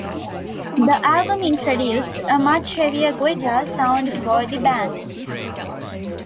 The album introduced a much heavier guitar sound for the band.